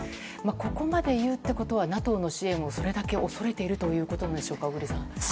ここまで言うってことはＮＡＴＯの支援をそれだけ恐れているということなんでしょうか小栗さん。